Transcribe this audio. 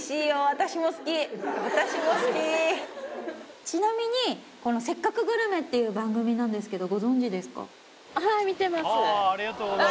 私も好きちなみに「せっかくグルメ！！」っていう番組なんですけどご存じですか？